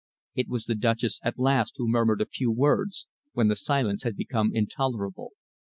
It was the Duchess at last who murmured a few words, when the silence had become intolerable.